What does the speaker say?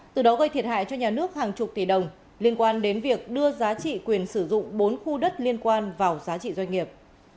từ đó gây thiệt hại cho nhà nước hàng chục tỷ đồng liên quan đến việc đưa giá trị quyền sử dụng bốn khu đất liên quan vào giá trị doanh nghiệp